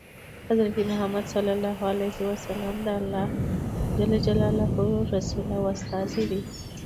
حضرت محمد ﷺ د الله ﷻ رسول او استازی دی.